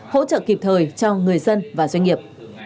hỗ trợ kịp thời cho người dân và doanh nghiệp